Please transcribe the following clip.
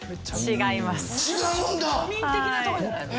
違います。